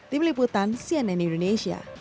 tim liputan cnn indonesia